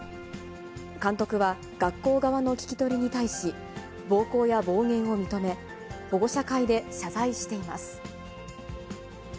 監督は、学校側の聞き取りに対し、暴行や暴言を認め、保護者会で謝罪しています。